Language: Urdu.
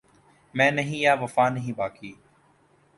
میں نہیں یا وفا نہیں باقی